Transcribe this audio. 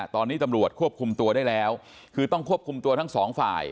ตอนนี้ตำรวจควบคุมตัวได้แล้วคือต้องควบคุมตัวทั้งสองฝ่าย